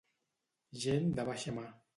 Gent de baixa mà.